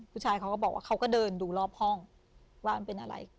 ผู้ชายเขาก็บอกว่าเขาก็เดินดูรอบห้องว่ามันเป็นอะไร